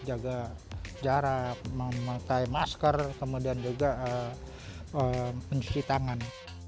jaga jarak memakai masker kemudian juga mencuci tangan